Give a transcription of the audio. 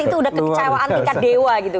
itu udah kekecewaan tingkat dewa gitu